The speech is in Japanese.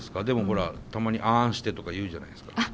でもほらたまにあんしてとか言うじゃないですか。